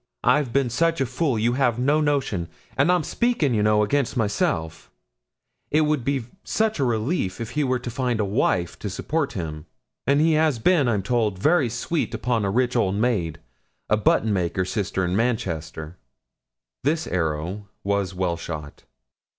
I've been such a fool, you have no notion; and I'm speaking, you know, against myself; it would be such a relief if he were to find a wife to support him; and he has been, I'm told, very sweet upon a rich old maid a button maker's sister, in Manchester.' This arrow was well shot.